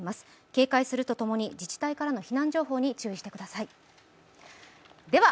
警戒するとともに自治体からの避難情報に注意してください。